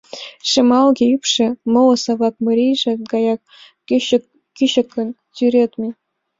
Шемалге ӱпшӧ моло Савак марийын гаяк кӱчыкын тӱредме.